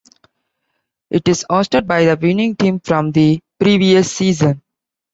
It is hosted by the winning team from the previous season.